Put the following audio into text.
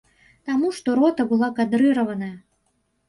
Таму што рота была кадрыраваная.